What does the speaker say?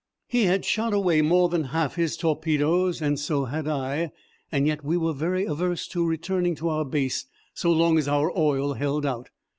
He had shot away more than half his torpedoes, and so had I, and yet we were very averse from returning to our base so long as our oil held out.